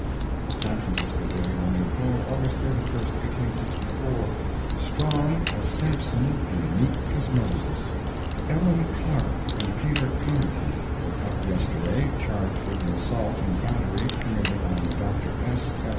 The San Francisco Daily Morning Call, August 31, 1864 STRONG AS SAMPSON AND MEEK AS MOSES Ellen Clark and Peter Connarty were up yesterday, charged with an assault and battery committed on Dr. S. S.